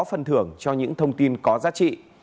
phân thưởng cho những thông tin có giá trị